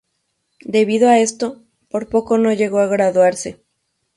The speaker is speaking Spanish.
Debido a esto, por poco no llegó a graduarse.